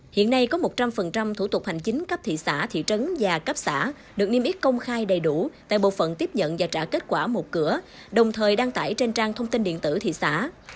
hiện nay có một trăm linh thủ tục hành chính cấp thị xã thị trấn và cấp xã được niêm yết công khai đầy đủ tại bộ phận tiếp nhận và trả kết quả một cửa đồng thời đăng tải trên trang thông tin điện tử thị xã